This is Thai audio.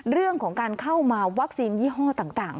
เรื่องของการเข้ามาวัคซีนยี่ห้อต่าง